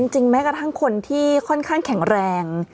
แม้กระทั่งคนที่ค่อนข้างแข็งแรง